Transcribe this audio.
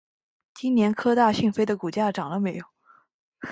今年科大讯飞的股价涨了没有？